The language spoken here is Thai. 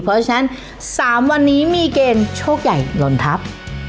เพราะฉะนั้น๓วันนี้มีเกณฑ์โชคใหญ่ลนทัพ